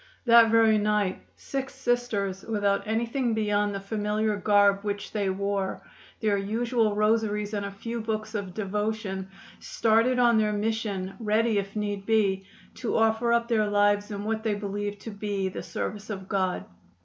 That very night six Sisters, without anything beyond the familiar garb which they wore, their usual rosaries and a few books of devotion, started on their mission, ready, if need be, to offer up their lives in what they believed to be the service of God.